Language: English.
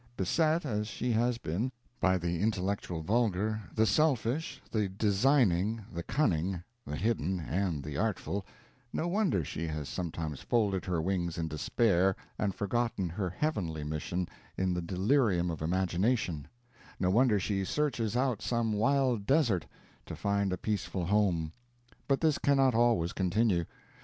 Beset, as she has been, by the intellectual vulgar, the selfish, the designing, the cunning, the hidden, and the artful no wonder she has sometimes folded her wings in despair, and forgotten her _heavenly _mission in the delirium of imagination; no wonder she searches out some wild desert, to find a peaceful home. But this cannot always continue.